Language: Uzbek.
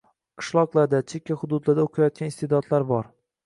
Qishloqlarda, chekka hududlarda o‘qiyotgan iste’dodlar bor.